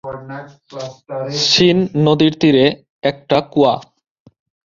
Scene নদীর তীরে একটা কুয়া।